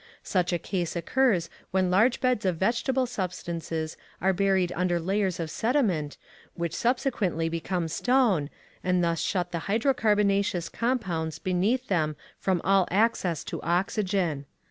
Such a case occurs when large beds of vegetable substances are buried under layers of sediment which subsequently become stone, and thus shut the hydrocarbonaceous compounds beneath them from all access to oxygen.